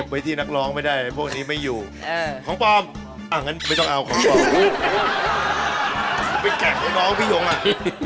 ไม่ต้องไปดูคำต้องไปดูคำ